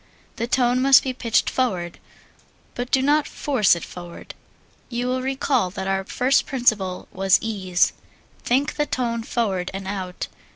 The tone must be pitched forward, but do not force it forward. You will recall that our first principle was ease. Think the tone forward and out.